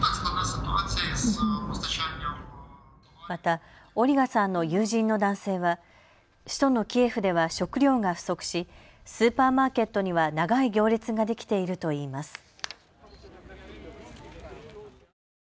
またオリガさんの友人の男性は首都のキエフでは食料が不足しスーパーマーケットには長い行列ができているといいます。